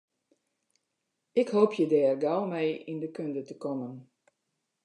Ik hoopje dêr gau mei yn de kunde te kommen.